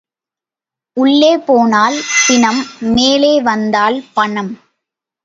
உள்ளே போனால் பிணம் மேலே வந்தால் பணம்.